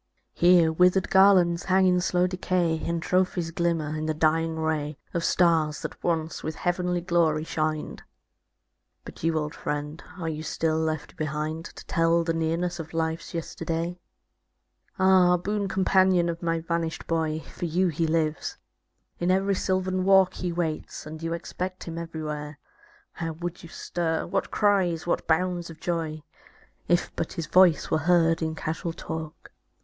Here, withered garlands hang in slow decay. And trophies glimmer in the dying ray Of stars that once with heavenly glory shined. 280 THE FALLEN But you, old friend, are you still left behind To tell the nearness of life's yesterday? Ah, boon companion of my vanished boy. For you he lives; in every sylvan walk He waits; and you expect him everywhere. How would you stir, what cries, what bounds of joy. If but his voice were heard in casual talk.